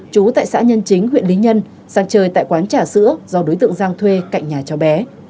chú tại xã nhân chính huyện lý nhân sang chơi tại quán trà sữa do đối tượng giang thuê cạnh nhà cháu bé